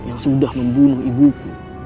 yang sudah membunuh ibuku